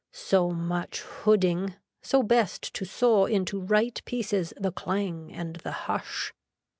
So much hooding, so best to saw into right pieces the clang and the hush.